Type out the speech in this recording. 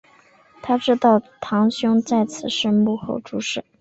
她知道堂兄在此事幕后主使。